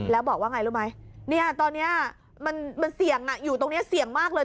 แล้วบอกว่าไงรู้ไหมเนี่ยตอนนี้มันเสี่ยงอยู่ตรงนี้เสี่ยงมากเลย